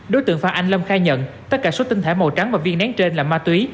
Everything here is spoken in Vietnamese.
đối tượng phan anh lâm khai nhận tất cả số tinh thể màu trắng và viên nén trên là ma túy